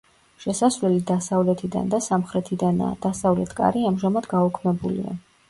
შესასვლელი დასავლეთიდან და სამხრეთიდანაა, დასავლეთ კარი ამჟამად გაუქმებულია.